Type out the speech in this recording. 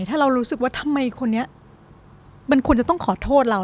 ถ้าเรารู้สึกว่าทำไมคนนี้มันควรจะต้องขอโทษเรา